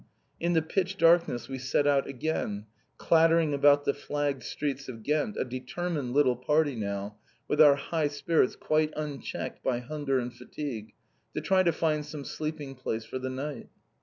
In the pitch darkness we set out again, clattering about the flagged streets of Ghent, a determined little party now, with our high spirits quite unchecked by hunger and fatigue, to try to find some sleeping place for the night.